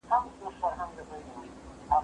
دا ليکنه له هغه ښه ده!!